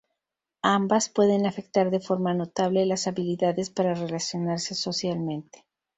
Ambas pueden afectar de forma notable las habilidades para relacionarse socialmente.